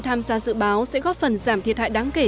tham gia dự báo sẽ góp phần giảm thiệt hại đáng kể